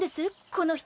この人。